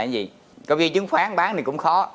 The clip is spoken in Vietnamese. cái gì có gì chứng khoán bán thì cũng khó